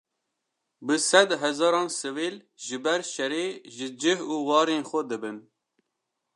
Bi sed hezaran sivîl, ji ber şerê, ji cih û warên xwe dibin